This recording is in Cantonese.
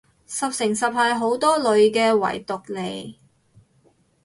十成十係好多女嘅偽毒嚟